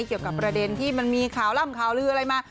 เกี่ยวกับประเด็นที่มันมีข่าวล่ำข่าวลืออะไรมา